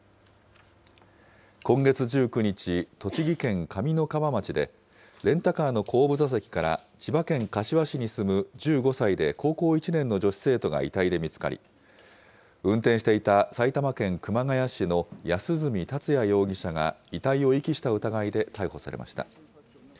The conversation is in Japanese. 今月１９日、栃木県上三川町で、レンタカーの後部座席から、千葉県柏市に住む１５歳で高校１年の女子生徒が遺体で見つかり、運転していた埼玉県熊谷市の安栖達也容疑者が、遺体を遺棄した疑いで逮捕されました。